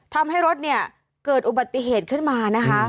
ทำให้รถเนี่ยเกิดอุบัติเหตุขึ้นมานะคะ